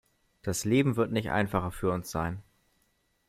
Das Leben wird nicht einfacher für uns sein.